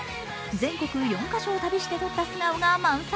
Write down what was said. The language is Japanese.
全国４か所を旅して撮った素顔が満載。